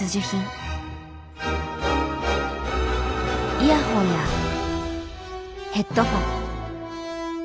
イヤホンやヘッドホン。